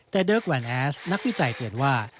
แต่เดิร์คแวนแอสนักวิจัยเตือนว่า